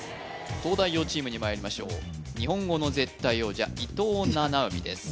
東大王チームにまいりましょう日本語の絶対王者伊藤七海です